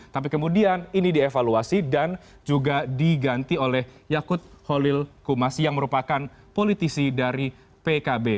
tapi kemudian ini dievaluasi dan juga diganti oleh yakut holil kumasi yang merupakan politisi dari pkb